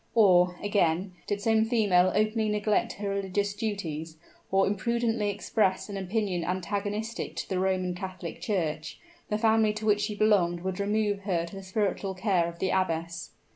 Or, again did some female openly neglect her religious duties, or imprudently express an opinion antagonistic to the Roman Catholic Church, the family to which she belonged would remove her to the spiritual care of the abbess.